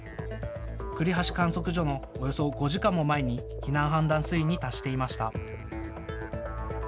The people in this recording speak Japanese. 栗橋観測所のおよそ５時間も前に避難判断水位に達していました。